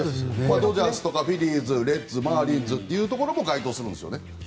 ドジャースとかフィリーズレッズ、マーリンズというところも該当するんですよね。